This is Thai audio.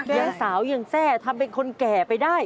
ยังสาวยังแทร่ทำเป็นคนแก่ไปได้